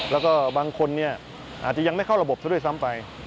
แล้วก็บางคนเนี่ยอาจจะยังไม่เข้าระบบซะด้วยซ้ำไป